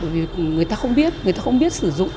vì người ta không biết người ta không biết sử dụng